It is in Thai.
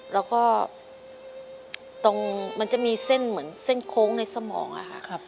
แล้วก็ตรงมันจะมีเส้นเหมือนเส้นโค้งในสมองอะค่ะ